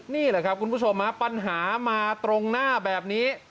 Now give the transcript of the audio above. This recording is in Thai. นี่แหละครับคุณผู้ชมปัญหามาตรงหน้าแบบนี้